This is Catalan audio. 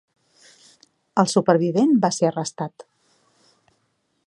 El supervivent va ser arrestat.